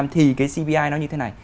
thì cái cpi nó như thế này